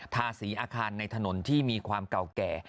ทาสีอาคารในถนนที่มีความเก่าแก่